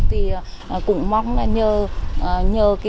thì cũng mong là nhờ